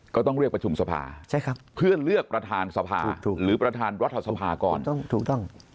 ก็ต้องเรียกประชุมสภาเพื่อเลือกประธานสภาหรือประธานรัฐสภาก่อนถูกต้อง